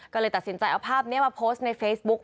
ก็เลยตัดสินใจเอาภาพนี้มาโพสต์ในเฟซบุ๊ก